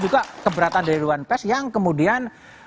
juga keberatan dari dewan pes yang kemudian